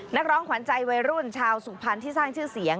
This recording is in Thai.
นักร้องขวัญใจวัยรุ่นชาวสุพรรณที่สร้างชื่อเสียง